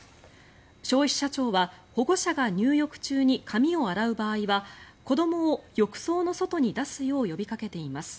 消費者庁は保護者が入浴中に髪を洗う場合は子どもを浴槽の外に出すよう呼びかけています。